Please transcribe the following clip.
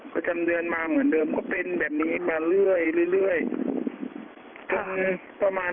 ประจำเดือนมาเหมือนเดิมก็เป็นแบบนี้มาเรื่อยเรื่อยทางประมาณ